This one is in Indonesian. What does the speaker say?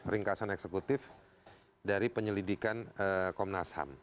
ringkasan eksekutif dari penyelidikan komnas ham